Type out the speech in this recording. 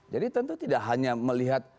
jadi tentu tidak hanya melihat